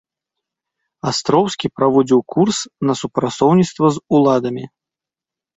Астроўскі праводзіў курс на супрацоўніцтва з уладамі.